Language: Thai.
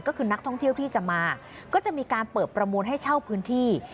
ก็คือนักท่องเที่ยวที่จะมาก็จะมีการเปิดประมูลให้เช่าพื้นที่